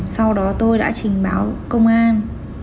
sau đó tôi đã trình báo công an